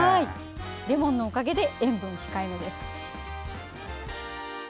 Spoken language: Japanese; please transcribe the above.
レモンのおかげで塩分控えめです。